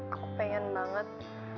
aku pengen banget